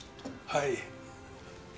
はい。